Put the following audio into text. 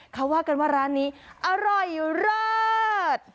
เขาว่ากันว่าร้านนี้อร่อยเลิศ